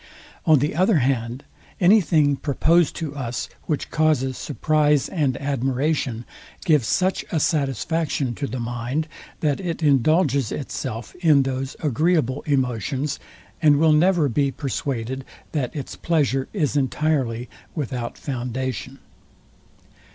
On the other hand, anything proposed to us, which causes surprize and admiration, gives such a satisfaction to the mind, that it indulges itself in those agreeable emotions, and will never be persuaded that its pleasure is entirely without foundation.